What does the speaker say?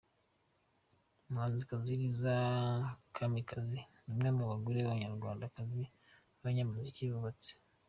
Umuhanzikazi Liza Kamikazi, ni umwe mu bagore b’abanyarwandakazi b’abanyamuziki bubatse.